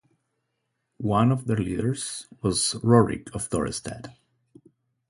One of their leaders was Rorik of Dorestad.